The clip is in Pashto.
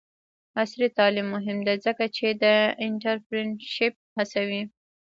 عصري تعلیم مهم دی ځکه چې د انټرپرینرشپ هڅوي.